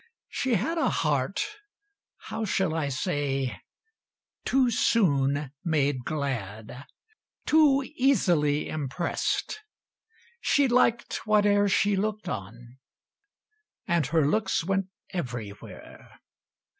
She had A heart how shall I say too soon made glad, Too easily impressed; she liked whate'er She looked on, and her looks went everywhere.